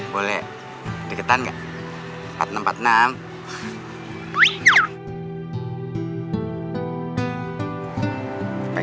boleh diketan nggak